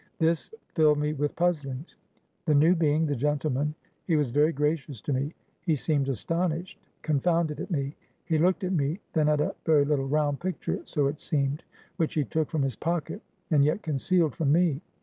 This filled me with puzzlings. The new being, the gentleman, he was very gracious to me; he seemed astonished, confounded at me; he looked at me, then at a very little, round picture so it seemed which he took from his pocket, and yet concealed from me.